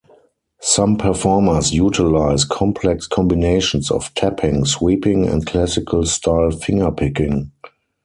Some performers utilize complex combinations of tapping, sweeping, and classical-style finger picking.